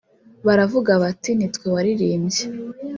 baravuga bati nitwe waririmbye